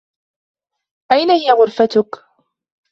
أين هي غرفتك ؟